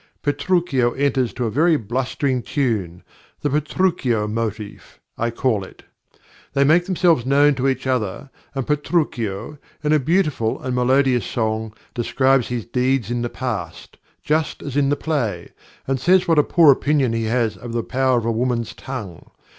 Petruchio enters to a very blustering tune (the Petruchio motif, I call it). They make themselves known to each other, and Petruchio, in a beautiful and melodious song, describes his deeds in the past, just as in the play, and says what a poor opinion he has of the power of a woman's tongue.